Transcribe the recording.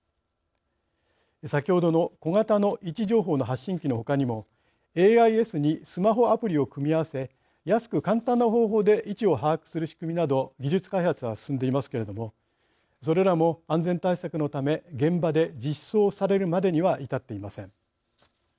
先ほどの小型の位置情報の発信機のほかにもＡＩＳにスマホアプリを組み合わせ安く簡単な方法で位置を把握する仕組みなど技術開発は進んでいますけれどもそれらも安全対策のため現場で実装されるまでには至っていません。